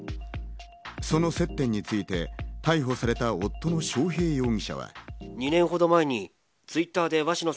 その接点について、逮捕された夫の章平容疑者は。